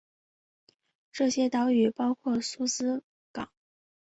这些岛屿包括苏斯港。